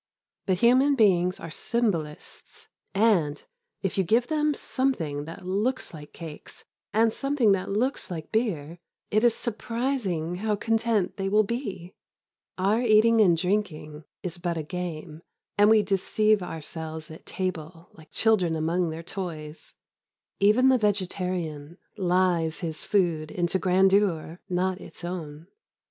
But human beings are symbolists, and, if you give them something that looks like cakes and something that looks like beer, it is surprising how content they will be. Our eating and drinking is but a game, and we deceive ourselves at table like children among their toys. Even the vegetarian lies his food into grandeur not its own.